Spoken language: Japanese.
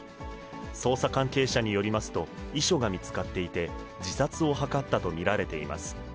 捜査関係者によりますと、遺書が見つかっていて、自殺を図ったと見られています。